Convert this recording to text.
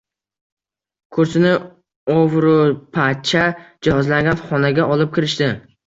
Kursini ovro`pacha jihozlangan xonaga olib kirishdi